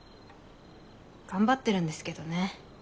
頑張ってるんですけどね。